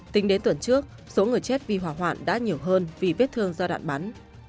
tính đến tuần trước số người chết vì hỏa hoạn đã nhiều hơn vì vết thương do đạn bắn